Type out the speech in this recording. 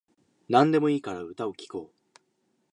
なんでもいいから歌を聴こう